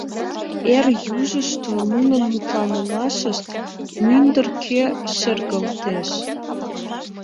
Эр южышто нунын мутланымышт мӱндыркӧ шергылтеш.